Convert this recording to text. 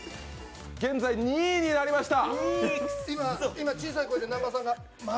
現在、２位になりました。